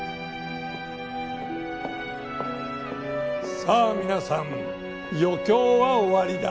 さあ皆さん余興は終わりだ。